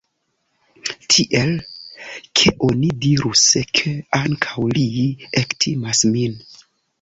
Tiel, ke oni dirus ke, ankaŭ li, ektimas min.